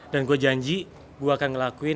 dan gue janji gue akan ngelakuin